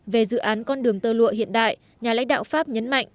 về dự án con đường tơ lụa hiện đại nhà lãnh đạo pháp nhấn mạnh